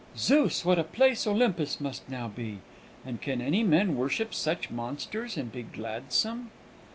Zeus, what a place must Olympus now be! And can any men worship such monsters, and be gladsome?"